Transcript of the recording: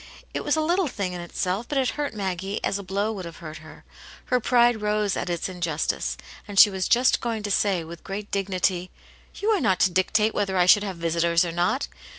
It was a little thing in itself, but it hurt Maggie as a blow would have hurt her ; her pride rose at its injustice, and she was just going to say, with great dignity : "You are not to dictate whether I should have visitors or not!"